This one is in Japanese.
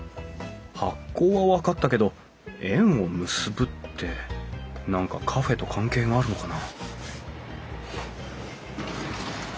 「発酵」は分かったけど「縁を結ぶ」って何かカフェと関係があるのかな？